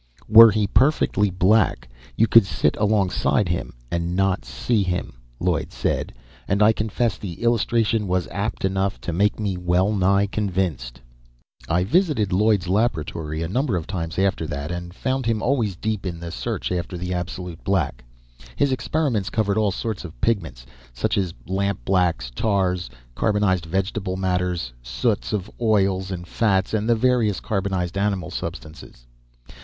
"Were he perfectly black, you could sit alongside him and not see him," Lloyd said; and I confess the illustration was apt enough to make me well nigh convinced. I visited Lloyd's laboratory a number of times after that, and found him always deep in his search after the absolute black. His experiments covered all sorts of pigments, such as lamp blacks, tars, carbonized vegetable matters, soots of oils and fats, and the various carbonized animal substances.